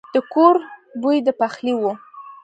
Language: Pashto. د کور بوی د پخلي وو.